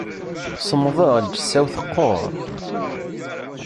Semmḍeɣ lǧetta-w teqqur.